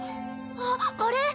あっこれ。